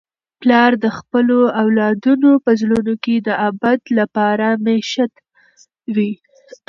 پلار د خپلو اولادونو په زړونو کي د ابد لپاره مېشت وي.